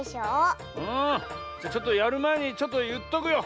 ああじゃちょっとやるまえにちょっといっとくよ。